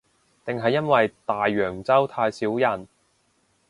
定係因為大洋洲太少人